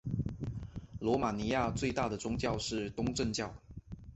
罗马尼亚最大的宗教是东正教。